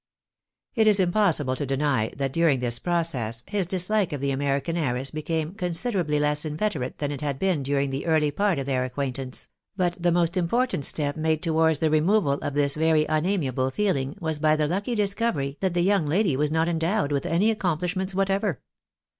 It is impossible to deny that during this process his dishke of the American heiress became considerably less inveterate than it MISS AXKIE WITHOUT LITEKAKY AMBITIOK. 187 had been during the early part of their acquaintance ; but the most important step made towards the removal of this very un amiable feeling was by the lucky discovery that the young lady was not endowed with any accomplishments whatever.